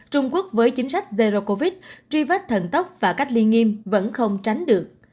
trung quốc với chính sách zero covid truy vết thần tốc và cách ly nghiêm vẫn không tránh được